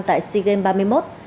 tại sea games ba mươi một